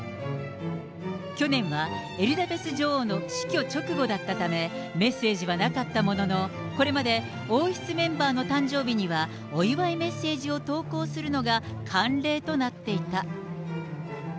去年はエリザベス女王の死去直後だったためメッセージはなかったものの、これまで王室メンバーの誕生日には、お祝いメッセージを投稿するのが慣例となっていた。